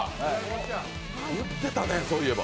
やってたね、そういえば。